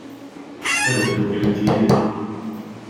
Ad dduklent yid-neɣ?